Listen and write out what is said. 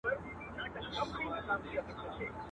نور به له پالنګ څخه د جنګ خبري نه کوو.